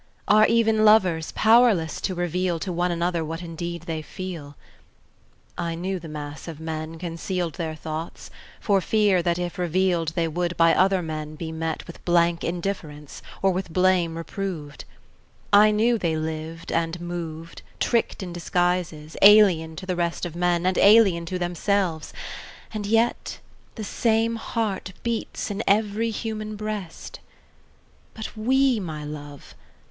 Are even lovers powerless to reveal To one another what indeed they feel? I knew the mass of men concealed Their thoughts, for fear that if revealed They would by other men be met With blank indifference, or with blame reproved; I knew they lived and moved Tricked in disguises, alien to the rest Of men, and alien to themselves and yet The same heart beats in every human breast! But we my love!